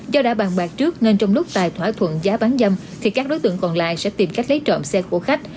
do đã bàn bạc trước nên trong lúc tài thỏa thuận giá bán dâm thì các đối tượng còn lại sẽ tìm cách lấy trộm xe của khách